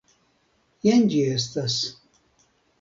Jen ĝi estas.